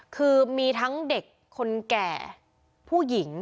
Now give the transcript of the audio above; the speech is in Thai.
คือมีทั้งเด็กคนแก่ผู้หญิง